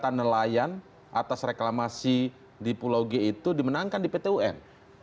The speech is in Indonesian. bahwa ternyata gugatan nelayan atas reklamasi di pulau g itu dimenangkan di pt un